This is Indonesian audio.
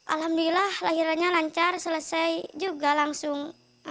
alhamdulillah lahirannya lancar selesai juga langsung